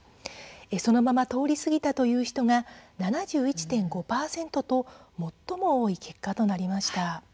そのまま通り過ぎたという人が７１．５％と最も多い結果となりました。